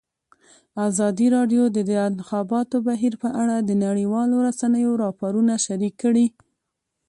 ازادي راډیو د د انتخاباتو بهیر په اړه د نړیوالو رسنیو راپورونه شریک کړي.